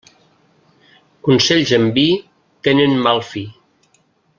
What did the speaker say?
Consells amb vi tenen mal fi.